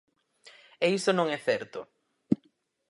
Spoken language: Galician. E iso non é certo.